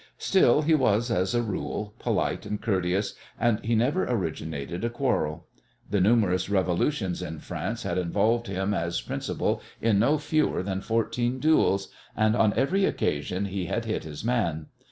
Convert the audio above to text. Still, he was, as a rule, polite and courteous, and he never originated a quarrel. The numerous revolutions in France had involved him as principal in no fewer than fourteen duels, and on every occasion he had hit his man.